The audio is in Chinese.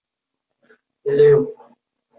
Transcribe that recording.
毛阔叶鳞盖蕨为姬蕨科鳞盖蕨属下的一个种。